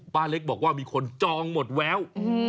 เล็กบอกว่ามีคนจองหมดแวว